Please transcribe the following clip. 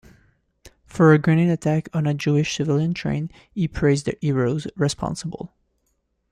For a grenade attack on a Jewish civilian train, he praised the "heroes" responsible.